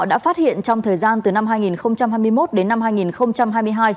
đã phát hiện trong thời gian từ năm hai nghìn hai mươi một đến năm hai nghìn hai mươi hai